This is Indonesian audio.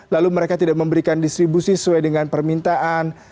lalu mereka tidak memberikan distribusi sesuai dengan permintaan